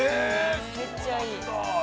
めっちゃいい。